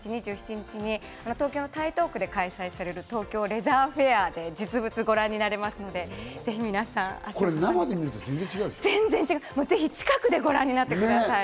今月の２６日・２７日に東京の台東区で開催される、東京レザーフェアで実物をご覧になれますので、ぜひ皆さん足を運んでください。